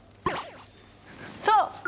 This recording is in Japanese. そう！